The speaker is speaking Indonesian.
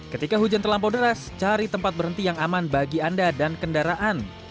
ketika hujan terlampau deras cari tempat berhenti yang aman bagi anda dan kendaraan